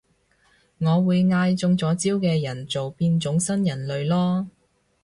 我會嗌中咗招嘅人做變種新人類囉